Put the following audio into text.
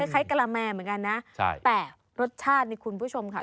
คล้ายกะละแมเหมือนกันนะแต่รสชาตินี่คุณผู้ชมค่ะ